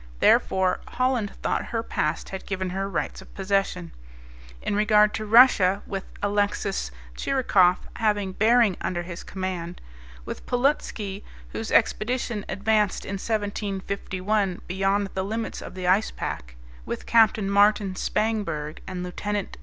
Therefore Holland thought her past had given her rights of possession. In regard to Russia, with Alexis Tschirikof, having Behring under his command; with Paulutski, whose expedition advanced in 1751 beyond the limits of the ice pack; with Capt. Martin Spangberg, and Lieut.